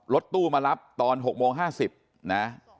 รถตู้มารับตอน๖โมง๕๐นะ